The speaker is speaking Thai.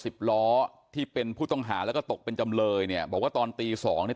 สิบล้อที่เป็นผู้ต้องหาแล้วก็ตกเป็นจำเลยเนี่ยบอกว่าตอนตีสองเนี่ย